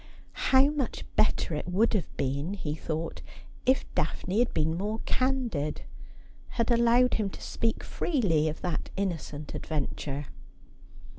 How much better it would have been, he thought, if Daphne had been more candid, had allowed him to speak freely of that innocent adventure